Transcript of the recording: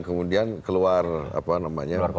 kemudian keluar apa namanya